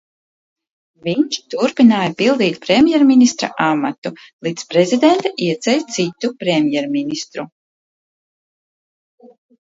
Viņš turpināja pildīt premjerministra amatu, līdz prezidente ieceļ citu premjerministru.